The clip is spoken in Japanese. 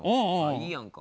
いいやんか。